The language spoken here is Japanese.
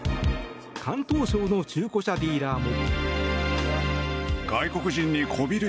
広東省の中古車ディーラーも。